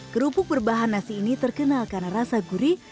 kerupuk berbahan nasi ini terkenal karena rasa gurih